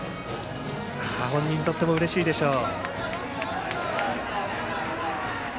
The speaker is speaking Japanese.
本人にとってもうれしいでしょう。